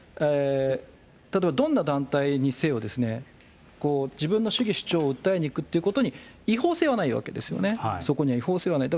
例えばどんな団体にせよ、自分の主義主張を訴えに行くということに違法性はないわけですよね、そこには違法性はない。